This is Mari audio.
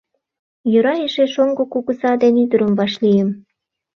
Йӧра эше шоҥго кугыза ден ӱдырым вашлийым.